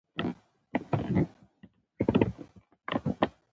فعل ښيي، چي څه پېښ سوي دي یا پېښېږي.